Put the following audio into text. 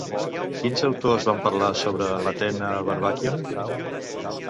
Quins autors van parlar sobre l'Atena Varvakeion?